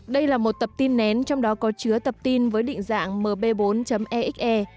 đây là một tập tin nén trong đó có chứa tập tin với định dạng mb bốn exe